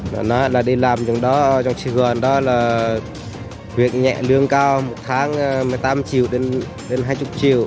nó nói là đi làm trong sài gòn đó là việc nhẹ lương cao một tháng một mươi tám triệu đến hai mươi triệu